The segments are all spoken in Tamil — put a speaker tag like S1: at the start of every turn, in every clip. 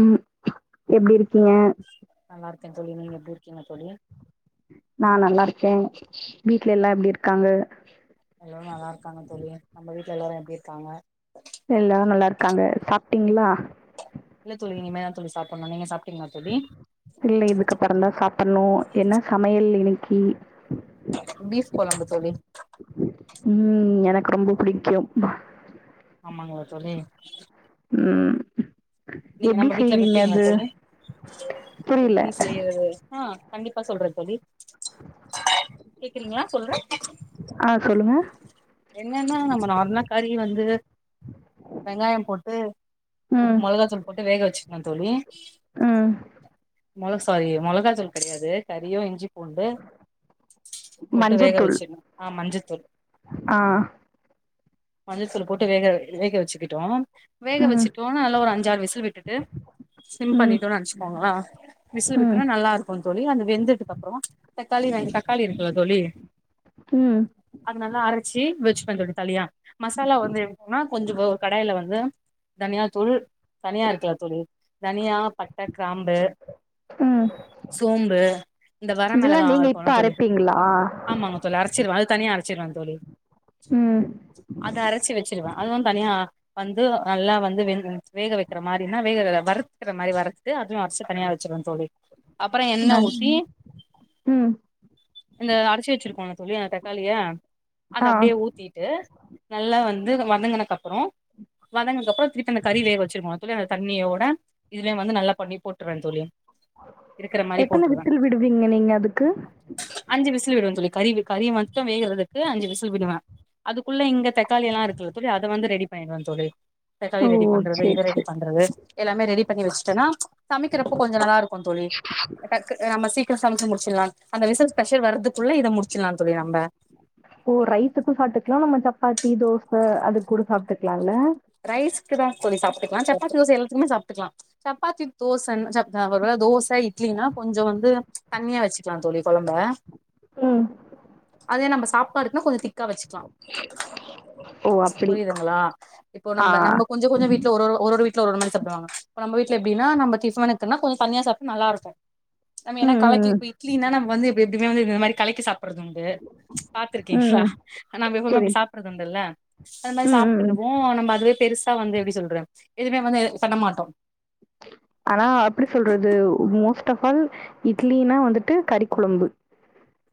S1: உம் எப்படி இருக்கீங்க
S2: நல்லா இருக்கேன் தோழி நீங்க எப்டி இருக்கீங்க தோழி
S1: நான் நல்லா இருக்கேன் வீட்ல எல்லாம் எப்டி இருக்காங்க
S2: எல்லோரும் நல்லா இருக்காங்க தோழி நம்ம வீட்டுல எல்லாரும் எப்படி இருக்காங்க
S1: எல்லாரும் நல்லா இருக்காங்க சாப்டீங்களா
S2: இல்ல தோழி இனிமே தான் தோழி சாப்பிடணும் நீங்க சாப்
S1: இல்லை இதுக்கப்புற்தா சாப்பிடணு என்ன சமையல் இன்னைக்கு இ
S2: பிவ் கொழும்பு தோழி
S1: உஹம் எனக்கு ரொம்ப புடிக்கு
S2: ஆமாங்க தோழி
S1: உம்
S2: நீங்க நம்ம வீட்ல விப்பீங்களா தோழி
S1: புரியல.
S2: எப்டி செய்றது ஆஹ் கண்டிப்பா சொல்றேன் தோழி கேக்குறீங்காளா சொல்றே
S1: ஆஹ் சொல்லுங்க
S2: என்னன்னா நம்ம நார்னக்காரி வந்து வெங்காயம் போட்டு உப்பு
S1: ம்
S2: மிளகாதூள் போட்டு வேக வச்சு என் தோழி
S1: ம்
S2: [inaudible] மல சாரி மல காச்சல் கிடையாது கரியோ இஞ்சி உண்டு போட்டு வேக வச்சிடணும் ஆ மஞ்சத்து ச
S1: ஆஹ்
S2: மஞ்சள்தூள் போட்டு வேக வேக வச்சிக்கிட்டோம் வேக
S1: ம்
S2: வச்சுட்டோம் அதுல ஒரு அஞ்சாறு விசில் விட்டுட்டு சிம்
S1: ம்
S2: பண்ணிட்டோம்னு நினைச்சுகோங்களா விசில்
S1: ம்
S2: விட்டோனோ நல்லா இருக்கும் தோழி அந்த வெந்ததுக்கு அப்புறம் தக்காளி ரெண்டு தக்காளி இருக்குல்ல தோழி
S1: ம்
S2: அது நல்லா அரைச்சி வச்ச வச்சு பன்றது தனியா மசாலா வந்து வேன்னா கொஞ்சம் கடாயில வந்து தனியா தூள் தனியா இருக்குல தோழி தனியா பட்ட கிராம்பு
S1: ம்
S2: சோம்பு இந்த வர
S1: இதெல்லா
S2: மிளகா
S1: நீங்க இப்ப
S2: இருக்குல தோழி
S1: அரைப்பீங்களா?
S2: ஆமாங்க தோழி அரச்சிருவன் அது தனியா அரச் ச்சிறந்தலி [unintelligible]
S1: ம்
S2: அத அரச்சி வச்சிருவே அதுவு தனியா வந்து நல்லா வந்து வேக வைக்கிற மாரினா வேக வறுக்கற மாரி வறுத்து அதுவும் அரைச்சு தனியா வச்சிருவவேன் தோழி அப்புற என்ன
S1: நா
S2: ஊசி
S1: ம்
S2: இந்த அரச்சி வச்சிருக்கோம்ல தோழி அந்த தக்காளிய அத
S1: ஆ
S2: அப்டியே ஊத்திட்டு நல்லா வந் து வதங்கனக்கப்றோ வதங்கனதுக்கப்றோ இப்ப அந்த கறி வேக வச்சிருக்கோ அத்தோட தண்ணியோட இதுலயு வந்து நல்லா பண்ணி போட்டுருவே தோழி இருக்கிற மாரி
S1: எத்தன
S2: போட்டுருவே
S1: விசில் விடுவீங்க நீங்க அதுக்கு
S2: அஞ்சு விசில் விடுவே தோழி கறி கறி மட்டும் வேகறுதுக்கு அஞ்சு விசி ல் விடுவே அதுக்குள்ள இங்க தக்காளி எல்லா இருக்குல்ல தோழி அத வந்து ரெடி பண்ணிடுவே தோழி தக்காளி
S1: ஓ!
S2: ரெடி பண்றது
S1: சரி,
S2: இத ரெடி
S1: சரி.
S2: பண்றது எல்லாமே ரெடி பண்ணி வச்சுட்டேன்னா சமைக்கிறப்போ கொஞ்ச நல்லா இருக்கு தோழி டக்கு நம்ம சீ க்ரோ சமைச்சு முடிச்சிடலா அந்த விசில் ப்ரெஷர் வரதுக் குள்ள இதை முடிச்சிடலா தோழி நம்
S1: ரைஸுக்கு சாப்ட்டுக்கலா நம்ம சப்பாத்தி தோச அதுக்கு கூட சாப்ட்டுக்கலா இல்ல
S2: ரைஸுக்குதா தோழி சாப்ட்டுக்கலா சப்பாத்தி தோச எல்லாத்துக்குமே சாப்ட்டுக்கலா சப்பாத்தி தோசன் சப் அதா ஒருவேள தோச இட்லினா கொஞ்ச வந்து தண்ணியா வச்சுக்கலா தோழி கொழம்ப
S1: ம்.
S2: அதே நம்ப சாப் பாடுக்குனா கொஞ்ச திக் கா வச்சுக்கலா
S1: ஓ! அப்படி.
S2: புரியுதுங்களா இப்ப
S1: ஆ.
S2: நம்ப நம்ப கொஞ்ச கொஞ்ச வீட்ல ஒரு ஒரு ஒரு ஒரு வீட்ல ஒரு ஒரு மாரி சாப்டுவாங்க இப்ப நம்ப வீட்ல எப்டினா நம்ம டிஃபனுக்குனா கொஞ்ச தண்ணியா சாப்ட்டா நல்லாருக்கு நம்ம
S1: ம்,
S2: ஏன்னா கலக்கி
S1: ம், ம்.
S2: இப்ப இட்லின்னா நமக்கு வந்து [unintelligible] இதுவே வந்து இந்த மாரி கலக்கி சாப் சாப்பறது உண்டு
S1: ம்,
S2: பாத்துருக்கீங்களா
S1: ம்.
S2: நாம எப்பவுமே
S1: சரி.
S2: அப்டி சாப்பறதுண்டுல்ல அந்த மாரி
S1: ம், ம், ம்.
S2: சாப்ட்ருவோ அதுவே பெருசா வந்து எப்டி சொல்றே எதுவுமே வந்து பண்ண மாட்டோ
S1: ஆனா அப்டி சொல்றது மோஸ்ட் ஆஃப் ஆல் இட்லினா வந்துட்டு கறிக்குழம்பு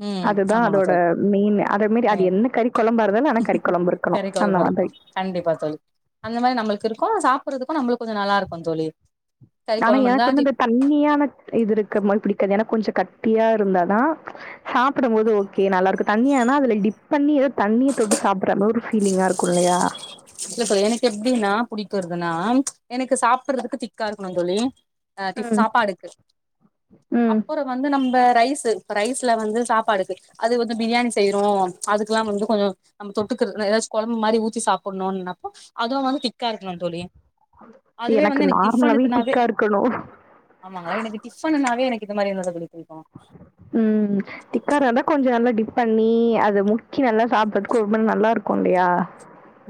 S2: ம்
S1: அதுதா
S2: ஆமாங்க
S1: அதோட மெயின் அதே மாரி
S2: தோழி
S1: அது என்ன கறி கொழம்பா இருந்தாலு ஆனா கறி கொழம்பு இருக்கணு அந்த
S2: கறிக்கொழம்பு இருக்கணு
S1: மாதிரி
S2: கு சாப்டுறதுக்கு நம்மளுக்கு கொஞ்ச நல்லா இருக்கும் தோழி கறி
S1: ஆனா
S2: கொழம்பு இருந்தா
S1: எனக்கு வந்து இந்த
S2: திக்
S1: தண்ணியான இது இருக்கிற மாரி பிடிக்காது எனக்கு கொஞ்ச கட்டியா இருந்தாதா சாப்டும் போது ஓகே நல்லா இருக்கு தண்ணியா ஆனா அதுல டிப் பண்ணி ஏதோ தண்ணிய தொட்டு சாப்டுற மாரி ஒரு ஃபீலிங்கா இருக்கு இல்லையா
S2: இல்ல தோழி எனக்கு எப்டின்னா புடிக்கறதுன்னா எனக்கு சாப்டுறதுக்கு திக்கா இருக்கணு தோழி ஆ டிஃப்
S1: ம்.
S2: சாப்பாடுக்கு
S1: ம்.
S2: அப்புறோ வந்து நம்ப ரைஸ் து இப்ப ரைஸ்ல வந்து சாப்பாடுக்கு அது வந்து பிரியாணி செய்றோ அதுக்கெல்லா வந்து கொஞ்சோ நம்ம தொட்டுக்குறது ஏன்னா ஏதாச்சி கொழம்பு மாரி ஊத்தி சாப்ட் டணு இல்லனா அதுவு வந்து திக்கா இருக்கணு தோழி அதுவே வந்து எனக்கு
S1: நார்மலாவே
S2: டிஃபனுக்குனாவே
S1: திக்கா இருக்கணும்.
S2: ஆமாங்க எனக்கு டிஃபனுனாவே எனக் இது மாரி என்னோட [unintelligible]
S1: உம் திக்காரந்தா கொஞ்ச நல்லா டிப் பண்ணி அத முக் கி நல்லா சாப்புறதுக்கு ஒரு மா நல்லா இருக் கொல்லயா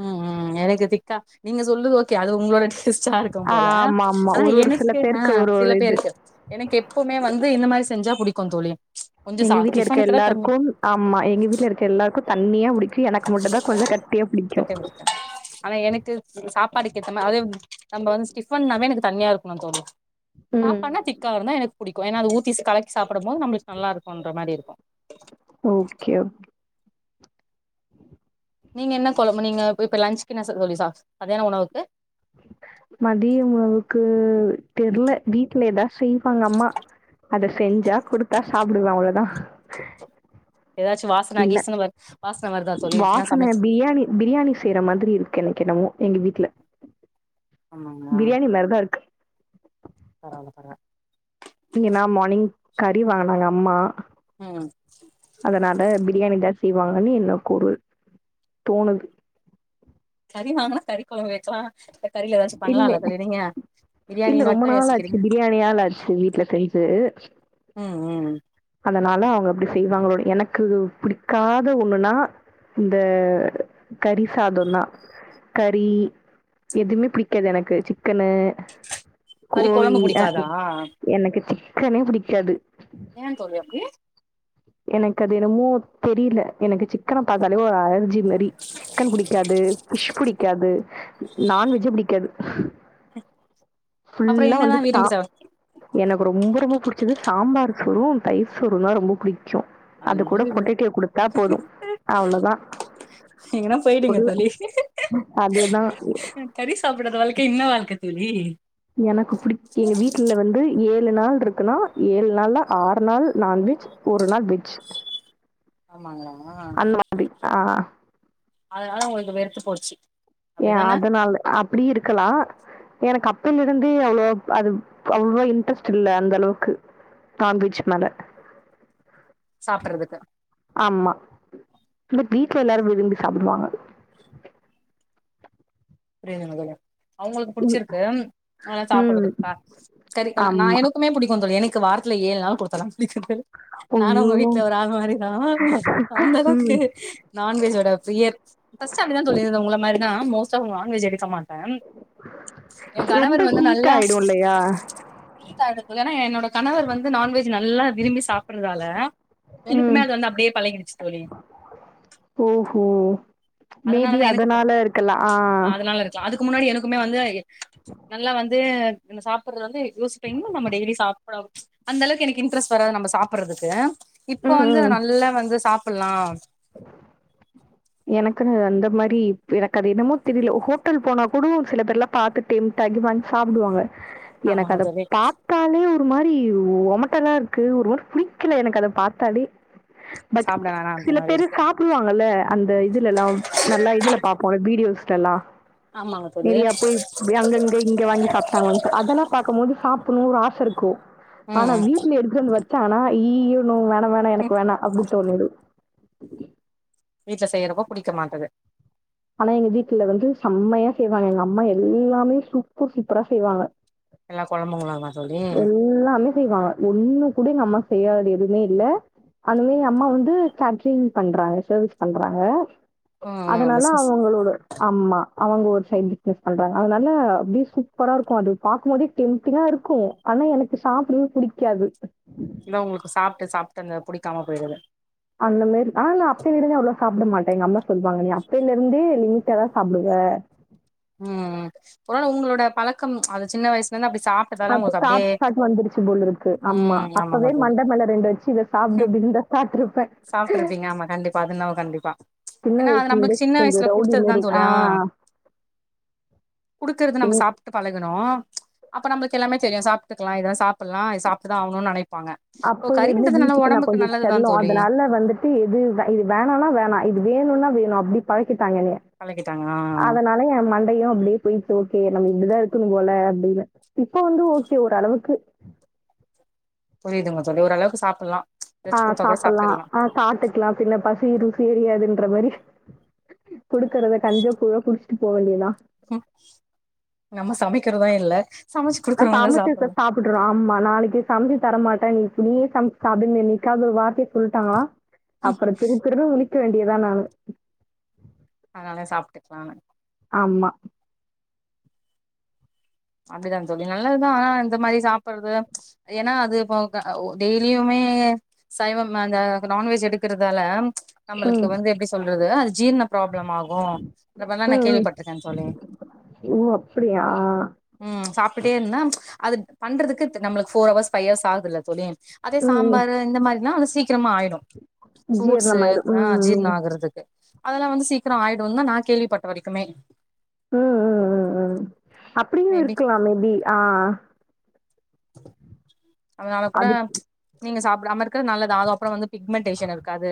S2: உம் உம் எனக்கு திக்கா நீங்க சொல்லுது ஓகே அது உங்ளோட டெஸ்டா இருக்கும் போல
S1: ஆமாமா.
S2: ஆனா
S1: ஒரு ஒரு சில
S2: எனக்கு ஆ
S1: பேருக்கு ஒரு
S2: சில
S1: ஒரு இது.
S2: பேருக்கு எனக்கு எப்பவ்மே வந்து இந்த மாரி செஞ்சா புடிக்கு தோழி கொஞ்சோ சா
S1: எங்க வீட்ல இருக்க
S2: டிஃபனுக்குதா தண்ணி
S1: எல்லாருக்கும் ஆமா எங்க வீட்ல இருக்க எல்லாருக்கு தண்ணியா புடிக்கு எனக்கு மட்டுதா கொஞ்ச கட்டியா பிடிக்கும்.
S2: கட்டி குடுத்த அவ எனக்கு சாப்பாடு கேட்டனா அது நம் ம்‌ப வந்து ஸ்டிஃபன் நாவெ எனக்கு தண்ணியா இருக்கனு தோழி
S1: ம்.
S2: சாப்பானா திக்கா இருந்தா எனக் புடிக்கு ஏனா அது ஊத்தி கலக்கி சாப்புடும்போது நம்பளுக்கு நல்லாருக்குன்ற மாரி இருக்கு
S1: ஓகே ஓ
S2: நீங்க என்ன கொழம்பு நீங்க இப்ப லஞ்சுக்கு என்ன ச தோழி சா மத்தியான உணவுக்கு
S1: மதிய உணவுக்கு தெர்ல வீட்ல எதா செய்வாங்க அம்மா அத செஞ்சா குடுத்தா சாப்டுவே அவ்ளதா [inaudible]
S2: ஏதாச்சு வாசன
S1: இல்ல
S2: கீசன வரு வாசன வருதா தோழி எதுனா
S1: வாசன
S2: சமைச்ச
S1: பிரியாணி பிரியாணி செய்ற மாதிரி இருக்கு எனக்கு என்னவோ எங்க வீட்ல
S2: ஆமாங்களா
S1: பிரியாணி மாரிதா இருக்கு
S2: பரவால்ல பரவா
S1: இங்க நா மார்னிங் கறி வாங்குனாங்க அம்மா
S2: ம்
S1: அதனால பிரியாணி தா செய்வாங்கன்னு எனக்கொரு தோணுது
S2: கறி வாங்குனா கறி கொழம்பு வக்லா
S1: இல்ல
S2: பிரியாணி
S1: இல்ல ரொம்ப
S2: மட்டும்
S1: நாளச்சு
S2: யோசிக்கிறீங்க
S1: பிரியாணியால ஆச்சு வீட்ல செஞ்சு
S2: ம் ம்
S1: அதனால அவுங்க அப்டி செய்வாங்களோ எனக்கு பிடிக்காத ஒண்ணுனா இந்த கறி சாதொந்தா கறி எதுமே புடிக்காது எனக்கு சிக்கனு
S2: கறி கொழம்பு
S1: கோழி அ
S2: புடிக்காதா
S1: எனக்கு சிக் கனே புடிக்காது
S2: ஏ தோழி அப் [unintelligible]
S1: எனக்கு அது என்னமோ தெரில எனக்கு சிக்கன பாத்தாலே ஒரு அலர் ஜி மரி சிக்கன் பிடிக்காது ஃபிஷ் பிடிக்காது நான்வெஜ்ஜே புடிக்காது
S2: அப்புறம்
S1: ஃபுல்லா வந்து
S2: என்னதான்
S1: தா
S2: விரும்பி சாப்
S1: எனக்கு ரொம்ப ரொம்ப புடிச்சது சாம்பார் ஹலோ தயிர் சோறுன்னா ரொம்ப புடிக் போது அவ்ளோதா
S2: எங்கன்னா போயிடுங்க
S1: உருள
S2: தோழி
S1: அதுதா
S2: கறி சாப்பிடாத வாழ்க்க என்ன வாழ்க்க தோழி
S1: எனக்கு புடி எங்க வீட்டுல வந்து ஏழு ஏழு நாள் இருக்குனா ஏழு நாள் ஆறு நாள் நான்வெஜ் ஒரு நாள் வெஜ்
S2: ஆமாங்களா
S1: அந்த மாதிரி ஆ
S2: அதனால உங்களுக்கு வெறுத்து போச்சு
S1: ஏன்
S2: அப்டிதான
S1: அதனால அப்டி இருக்கலா எனக்கு அப்பேல இருந்தே அவ்ளோ அது அவ்ளோ இன்ட்ரெஸ்ட் இல்ல அந்த அளவுக்கு நான்வெஜ் மேல
S2: சாப்றதுக்கு
S1: ஆமா. பட் வீட்ல எல்லாரு விரும்பி சாப்டுவாங்க
S2: [unintelligible] அவுங்களுக்கு
S1: ம்,
S2: புடிச்சிருக்கு
S1: ம்.
S2: சாப்பறதுக்கா சரிக்கண் நான்
S1: ஆமா.
S2: எனக்குமே புடிக்கு தோழி எனக்கு வாரத்துல ஏழு நாள் கொடுத்தலா நானு உங்க
S1: ஐயோ!
S2: வீட்ல ஒரு ஆள் மாரிதா அந்த அளவுக்கு
S1: ம்.
S2: நான்வெஜோட பிரியர் ஃபஸ்ட் அப்டிதா இருந்து தோழி உங்கள மாரி நா மோசமா நான்வெஜ் எடுக்க என்
S1: ரொம்ப
S2: கணவர் வந்து
S1: ஹீட்
S2: நல்லா
S1: ஆயிடும் இல்லையா?
S2: [unintelligible] என்னோட கணவர் வந்து நான்வெஜ் நல்லா விரும்பி சாப்றதால
S1: ம்.
S2: எனக்குமே அது வந்து அப்டியே பழகிடுச்சு தோழி
S1: ஓஹோ! மேபி
S2: அதனாலதா எனக்கு ப
S1: அதனால இருகலா ஆஹ்
S2: எதுக்குமே வந்து நல்லா வந் அத என் சாப்றது வந்து யோசிபன்ன நம டெய்லி அந்த அளவுக்கு எனக்கு இன்ட்ரெஸ்ட் வராது நம்ம சாப்றதுக்கு இப்ப வந்து நல்லா வந்து சாப் சாபுடலா
S1: எனக்கு அந்த மாரி எனக்கு அது என்னமோ தெரியல ஹோட்டல் போனா கூட சில பேர் எல்லாம் பாத்து டெம்ட் ஆகி வாங்கி சாப்டுவாங்க எனக்கு
S2: ஆமாங்க
S1: அத
S2: தோழி
S1: பாத்தாலே ஒரு மாரி ஒமட்டல்லா இருக்கு ஒரு மாரி புடிக்கல எனக்கு அத பாத்தாலே பட்
S2: சாப்ட வேணாண்
S1: சில
S2: அ
S1: பேரு சாப்டுவாங்கல்ல அந்த இதுலல்லாம் நல்லா இதுல பாப்போம் வீடியோஸ் கெலா
S2: ஆமாங்க தோழி
S1: நெறையா பேர் அங்கங்க இங்க வாங்கி சாப்டாங்கோன் அதலா பாக்கும் போது சா நூறு ஆச இருக்கோ ஆனா
S2: ம்
S1: வீட்ல இருக்கறவங்க பாத் ச்ச ஆனா இ ஈ நோ வ வேணா எனக்கு வேணா அப்டி தோணுது
S2: வீட்ல செய்றபோ புடிக்க மாட்டுது
S1: ஆனா எங்க வீட்ல வந்து சம்மையா செய்வாங்க எங்க அம்மா எல்லாமே சூப்பர் சூப்பரா செய்வாங்க
S2: எல்லா குழம்புங்ளா
S1: எல்லாமே செய்வாக ஒண்ணு கூட எங்க அம்மா செய்யாதது எதுவுமே இல்ல அந்தமே அம்மா வந்து கேட்ரிங் பண்றாங்க சர்வீஸ் பண்றாங்க
S2: ம் ம்
S1: அதனால
S2: பிசினஸ்
S1: அவுங்களோட அம்மா அவுங்க ஒர் சைட் பிஸ்னஸ் பண்றாங்க அதனால அப்டியே சூப்பரா இருக்கும் அது பாக்கும்போது டெம்டிங்கா இருக் கும் ஆனா எனக்கு சாப்டவே பிடிக்காது
S2: இதா உங்ளுக்கு சாப்டு சாப்டு அந்த புடிக்காம போயிறது
S1: அந்த மேரி ஆனா நா அப்பவே இருந்து அவ்ளோ சாப்ட மாட்ட எங்கம்மா சொல்லுவாங்க நீ அப்பைல இருந்தே லிமிட்டா தான் சாப்டுவ
S2: உம் உம் ஒரு வேள உங்ளோட பழக்கம் அது சின்ன வயசுலந்து அப்டி சாப்ட்டதால
S1: அப்ப
S2: உங்களுக்கு அப்டியே
S1: சாப்ட்டு சாப்ட்டு வந்துருச்சு போலிருக்கு ஆமா
S2: ம் ஆமாங்க
S1: அப்வே
S2: தோழி
S1: மண்டமல ரெண்டு வச்சு இத சாப்பிடு அப்டினு தா சாப்டுருப்பே
S2: சாப்ட்ருப்பீங்க ஆமா கண்டிப்பா அது என்னவோ கண்டிப்பா
S1: சின்ன
S2: ஏன்னா அது
S1: வயசுலந்தே
S2: நம்மளுக்கு சின்ன
S1: கொஞ்ச ரவுடி மேரி ஆஹ்
S2: குடுக்றத நம்ம சாப்ட்டு பழகணு அப்ப நம்ளுக்கு எல்லாமே தெரியும் சாப்ட்டுக்கலாம் இத சாப்புலாம் சாப்ட்டுதான் ஆவுனும்னு நெனப்
S1: அப்பலருந்து வீட்டுக்கு நான் கொஞ்சம்
S2: நல்லதுதா
S1: செல்லம்
S2: தோழி
S1: அதனால வந்துட்டு எது இது வேணானா வேணா இது வேணுனா வேணு இப்டி பழகி கிட்டாங்க என்னைய
S2: பழகிட்டாங்க ஆ
S1: அதனால என் மண்டையும் அப்டியே போயிட்டு ஓகே நம்ம இப்டி தா இருக்கனு போல அப்டினு இப்ப வந்து ஓகே ஓரளவுக்கு
S2: புரிதுங்க தோழி ஓரளவுக்கு சாப்புலா
S1: ஆஹ் சாப்புலா ஆஹ் சாட்டுகலா பின்ன பசி ருசி அறியாது ன்ற மாரி குடுக்கறத கஞ்ஜோ கூழோ குடிச்சிட்டு போ வேண்டி தான்
S2: நம்ம சமைக்கிறதா இல்ல சமைச்சு
S1: நான்
S2: குடுக்குறவங்கதா
S1: சமச்சுவச்சா
S2: சாப்புட்லா
S1: சாப்புட்றான் ஆம்மா நாளைக்கி தம்பி தர மாட் கா நீ இப்படியே சமச்சு சாப்டு எனிகாது ஒரு வார்த்த சொல்டாங்களா அப்ற திருதிருனு முளிக் இருக்க வேண்டிதா நானு
S2: அதனால சாப்டுக்கலாம்
S1: ஆமா
S2: அப்டிதான் தோழி நல்லதுதான் ஆனா இந்த மாரி சாப்டுறது ஏன்னா அது இப்ப டெய்லியுமே சைவம் அந்த நான்வெஜ் எடுக்கிறதுனால நம்மளுக்கு
S1: ம்.
S2: வந்து எப்டி சொல்றது ஜீர்னம் ப்ராப்ளம் ஆகும் அந்த மாரி நான்
S1: ம், ம்.
S2: கேள்விபட்டுருக்கேன் தோழி
S1: ஓ! அப்படியா?
S2: உம் சாப் அப்டியே இருந்தா அது பண்றக்கு நம்மளுக்கு போர்ஹவர்ஸ் ஃபைவ்ஹர்ஸ் ஆகுது இல்ல தோழி அதே
S1: ம், ம்.
S2: சாம்பாரூ இந்த மாதிரினா சீக்ரமா ஆயிடும் ஃப்ரூட்ஸ்சு
S1: ஜீரணம் ஆயிடும். ம்,
S2: அஜீரணம்
S1: ம்.
S2: ஆகுறதுக்கு அதெல்லாம் வந்து சீக்கிரேம் ஆயிடும் தான் நான் கேள்விப்பட்ட வரைக்குமே
S1: ம் உஹம் உஹம் உஹம் அப்டியும்
S2: மேபி
S1: இருக்கலாம் மேபி ஆஹ
S2: இச்.... அதனால கூட
S1: அது
S2: நீங்க சாப் நாம இருக்கறது நல்லது அது அப்புறம் வந்து பிக்மென்டேஷன் இருக்காது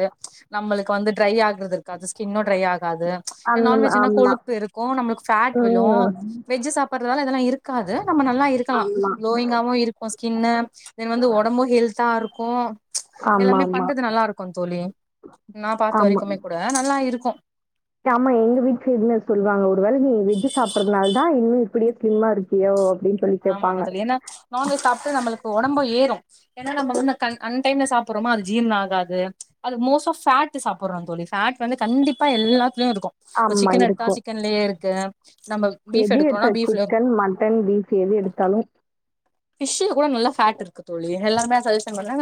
S2: நம்மளுக்கு வந்து ட்ரை ஆ அதற்காக ஸ்கின் ஒன்னும் ட்ரை ஆகாது ஏன்னா
S1: அந்த
S2: நான்
S1: மா
S2: வெஜ்ன்னா
S1: ஆமா.
S2: கொழுப்பு இருக்கும் நம்மளுக்கு ஃபேட் விழும்
S1: ம்.
S2: வெஜ் சாப்பிடறதால அதெல்லாம் இருக்காது நம்ம நல்லா இருக்கலாம்
S1: ஆமா.
S2: க்ளோயிங் ஆவும் இருக்கும் ஸ்கின் வந்து உடம்பும் ஹெல்தா இருக்கும் எல்லாமே
S1: ஆமாமா. ஆமா.
S2: பண்றது நல்லா இருக்குகோம் தோழி நான் பார்த்த
S1: ஆமா,
S2: வரைக்குமே கூட நல்லா இருக்கும்
S1: ஆமா எங்க வீட்ல இது மாரி சொல்லுவாங்க ஒரு வேளை நீ வெஜ்ஜு சாப்டுறதுனால தா இன்னும் இப்டியே ஸ்லிம்மா இருக்கியோ அப்படின்னு சொல்லி
S2: ஆமாங்க
S1: கேட்பாங்க.
S2: தோழி ஏன்னா நான்வெஜ் சாப்பிட்டா நம்மளுக்கு உடம்பு ஏறும் ஏன்னா நம்ம வந்து அன் டைம்ல சாப்பிடுறோமா அது ஜீரணம் ஆகாது அது மோஸ்ட் ஆஃப் ஃபேட் சாப்பிடுறோம் தோழி ஃபேட் வந்து கண்டிப்பா எல்லா இருக்கும் இப்ப
S1: ஆமா,
S2: சிக்கன் எடுத்த
S1: இருக்கும்.
S2: சிக்கன்லயே இருக்கு நம்ம பீஃப்
S1: எது
S2: எடுக்குறோனா
S1: எடுத்தாலும்
S2: பீஃப்லயும்
S1: சிக்கன், மட்டன், பீஃப் எது எடுத்தாலும்
S2: ஃபிஷ் கூட நல்ல பேட் இருக்கு தோழி எல்லாருமே சஜக்ஷன் பண்றாங்க